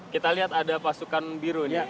kita lihat ada pasukan biru